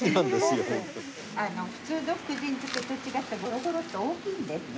普通の福神漬けと違ってゴロゴロと大きいんですね。